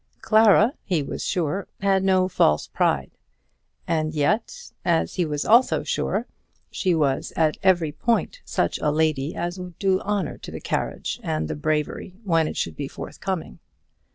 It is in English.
Clara, he was sure, had no false pride; and yet, as he was sure also, she was at every point such a lady as would do honour to the carriage and the bravery when it should be forthcoming.